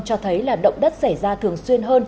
cho thấy là động đất xảy ra thường xuyên hơn